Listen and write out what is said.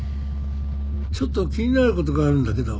ちょっと気になることがあるんだけど。